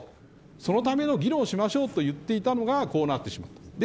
そのための議論をしましょうと言っていたのがこうなってしまいました。